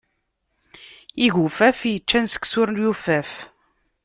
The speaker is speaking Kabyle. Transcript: Igufaf yeččan seksu ur yufaf.